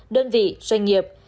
đơn vị doanh nghiệp